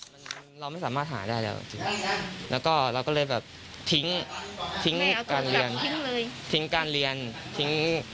เราไม่สามารถหาได้แล้วก็เราก็เลยแบบทิ้ง